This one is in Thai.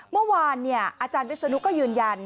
เมื่อวานอาจารย์วิศนุก็ยืนยัน